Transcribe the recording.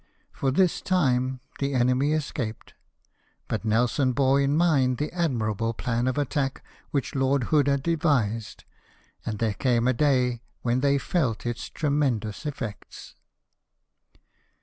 For this time the enemy escaped; but Nelson bore in mind the admhable plan of attack which Lord Hood had devised, and there came a day when they felt its tremendous effects.